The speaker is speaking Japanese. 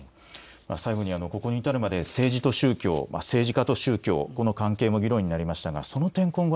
最後にここに至るまで政治と宗教、政治家と宗教の関係も議論になりました。